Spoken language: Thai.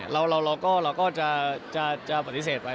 เราก็จะปฏิเสธไป